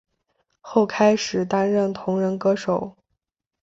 后开始担任同人歌手。